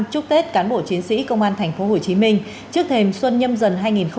chúc tết cán bộ chiến sĩ công an tp hcm trước thềm xuân nhâm dần hai nghìn hai mươi bốn